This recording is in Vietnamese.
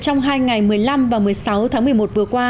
trong hai ngày một mươi năm và một mươi sáu tháng một mươi một vừa qua